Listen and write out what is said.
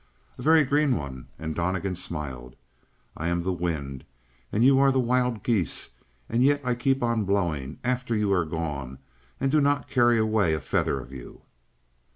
"A very green one," and Donnegan smiled. "I am the wind and you are the wild geese, and yet I keep on blowing after you are gone and do not carry away a feather of you."